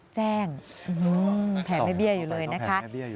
แจ้งแผลไม่เบี้ยอยู่เลยนะคะ